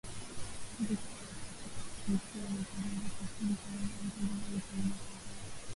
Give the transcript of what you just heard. vita au katika tukio la dharura kuwashikilia yao Edgar Guver wiki moja baada ya